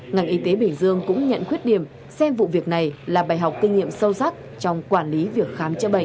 ngành y tế bình dương cũng nhận khuyết điểm xem vụ việc này là bài học kinh nghiệm sâu sắc trong quản lý việc khám chữa bệnh